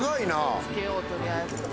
火をつけようとりあえず。